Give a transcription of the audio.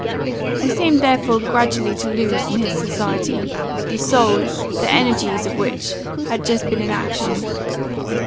I seemed therefore gradually to lose, in his society, the soul, the energies of which had just been in action.